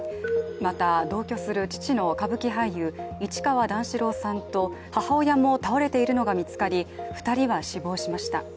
また同居する父の歌舞伎俳優市川段四郎さんと母親も倒れているのが見つかり、２人は死亡しました。